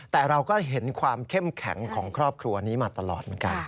แต่เราก็เห็นความเข้มแข็งของครอบครัวนี้มาตลอดเหมือนกัน